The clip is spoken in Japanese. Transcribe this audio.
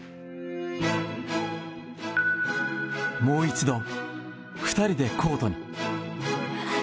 もう一度、２人でコートに。